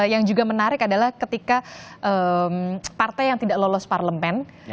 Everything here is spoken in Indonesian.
yang juga menarik adalah ketika partai yang tidak lolos parlemen